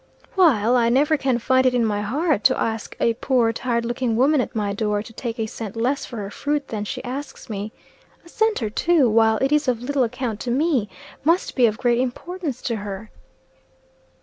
"While I never can find it in my heart to ask a poor, tired looking woman at my door, to take a cent less for her fruit than she asks me. A cent or two, while it is of little account to me, must be of great importance to her."